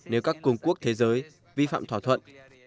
nếu các cường quốc thế giới vi phạm thỏa thuận